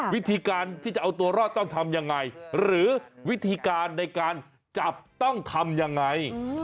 วิธีการที่จะเอาตัวรอดต้องทำยังไงหรือวิธีการในการจับต้องทำยังไง